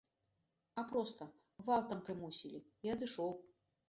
А проста, гвалтам прымусілі, і адышоў.